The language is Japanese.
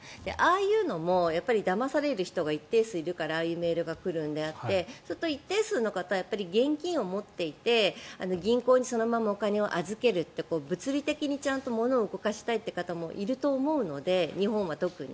ああいうのもだまされる人が一定数いるからああいうメールが来るのであって一定数の方、現金を持っていて銀行にそのままお金を預けるって物理的にちゃんと物を動かしたいという方もいると思うので日本は特に。